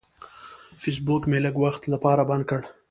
فیسبوک مې لږ وخت لپاره بند کړ.